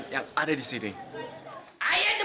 tujuh puluh tiga istri yawa jiwa zainalperson group